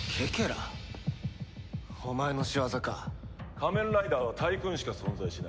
仮面ライダーはタイクーンしか存在しない。